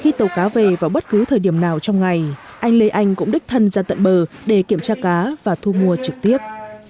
khi tàu cá về vào bất cứ thời điểm nào trong ngày anh lê anh cũng đích thân ra tận bờ để kiểm tra cá và thu mua trực tiếp